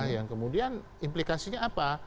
yang kemudian implikasinya apa